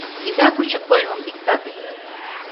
Ида кучо кольмым иктат!